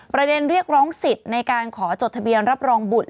เรียกร้องสิทธิ์ในการขอจดทะเบียนรับรองบุตร